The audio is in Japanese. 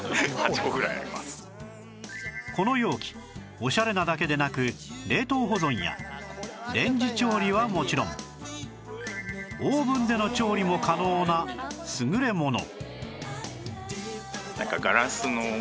この容器オシャレなだけでなく冷凍保存やレンジ調理はもちろんオーブンでの調理も可能な優れもの